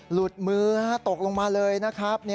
หลุดมือตกลงมาเลยนะครับ